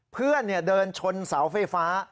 เพื่อนเดินชนเสาไฟฟ้า